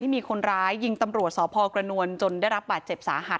มีคนร้ายยิงตำรวจสพกระนวลจนได้รับบาดเจ็บสาหัส